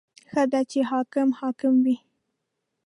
• ښه ده چې حاکم حاکم وي.